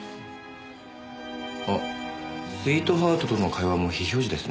あっスイートハートとの会話も非表示ですね。